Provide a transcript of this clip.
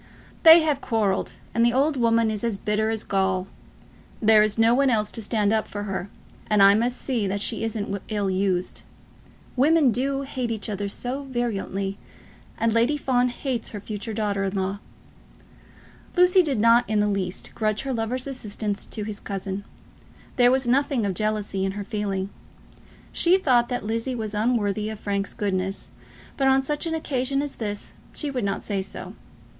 "They have quarrelled, and the old woman is as bitter as gall. There is no one else to stand up for her, and I must see that she isn't ill used. Women do hate each other so virulently, and Lady Fawn hates her future daughter in law." Lucy did not in the least grudge her lover's assistance to his cousin. There was nothing of jealousy in her feeling. She thought that Lizzie was unworthy of Frank's goodness, but on such an occasion as this she would not say so.